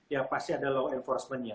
ya pasti ada law enforcement nya